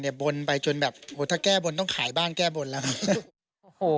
เก็บบนไปจนแบบถ้าแก้บนต้องขายบ้านแก้บนแล้วครับ